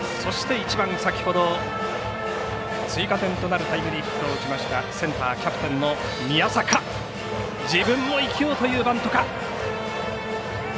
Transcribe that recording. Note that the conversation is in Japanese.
１番先ほど追加点となるヒットを打ちました、センターキャプテンの宮坂自分も生きようというバントか。